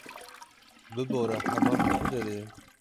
Bibore, hemam li ku derê ye?